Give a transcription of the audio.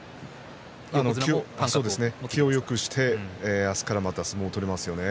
気をよくして明日からまた相撲が取れますね。